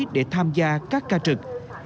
để tham gia các ca trực